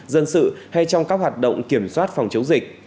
dân sự hay trong các hoạt động kiểm soát phòng chống dịch